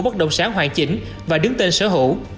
bất động sản hoàn chỉnh và đứng tên sở hữu